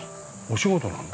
お仕事なの？